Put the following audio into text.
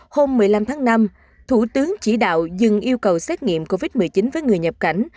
hôm một mươi năm tháng năm thủ tướng chỉ đạo dừng yêu cầu xét nghiệm covid một mươi chín với người nhập cảnh